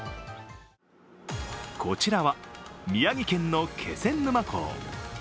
こちらは、宮城県の気仙沼港。